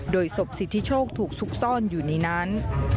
โดยศพสิทธิโชคถูกซุกซ่อนอยู่ในนั้น